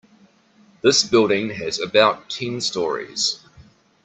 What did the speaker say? This building has about ten storeys.